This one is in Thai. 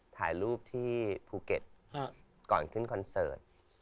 ถ่ายรูปที่ภูเก็ตก่อนขึ้นคอนเสิร์ต